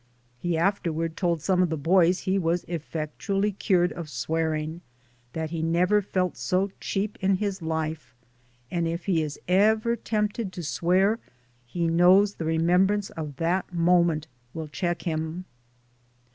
He afterward told some of the boys he was effectually cured of swearing; that he never felt so cheap in his life, and if he is ever tempted to swear he knows the remembrance of that moment will check him.